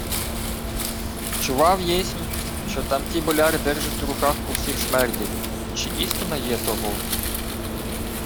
— Чував єсмь, що тамті боляри держуть у руках усіх смердів. Чи істина є того?